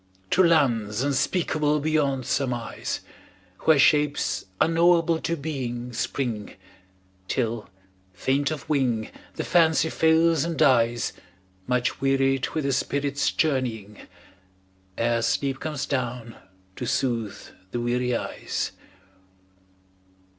To lands unspeakable beyond surmise, Where shapes unknowable to being spring, Till, faint of wing, the Fancy fails and dies Much wearied with the spirit's journeying, Ere sleep comes down to soothe the weary eyes.